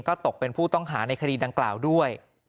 ก็ตกเป็นผู้ต้องหาในคดีดังกล่าวด้วย